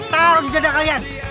taruh di jadah kalian